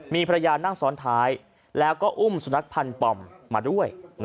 มีภรรยานั่งซ้อนท้ายแล้วก็อุ้มสุนัขพันธ์ปอมมาด้วย